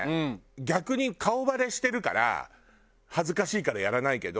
逆に顔バレしてるから恥ずかしいからやらないけど。